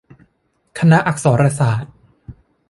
คณะอักษรศาสตร์